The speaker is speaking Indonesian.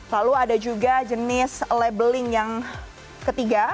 lalu ada juga jenis labeling yang ketiga